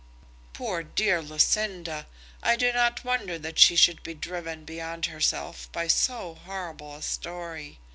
"Poor dear Lucinda! I do not wonder that she should be driven beyond herself by so horrible a story.